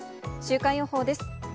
週間予報です。